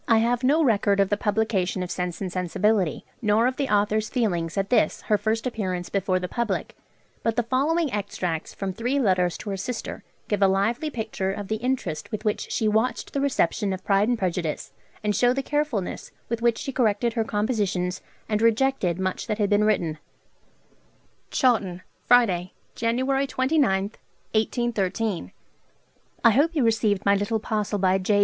I have no record of the publication of 'Sense and Sensibility,' nor of the author's feelings at this her first appearance before the public; but the following extracts from three letters to her sister give a lively picture of the interest with which she watched the reception of 'Pride and Prejudice,' and show the carefulness with which she corrected her compositions, and rejected much that had been written: Chawton, Friday, January 29 (1813). 'I hope you received my little parcel by J.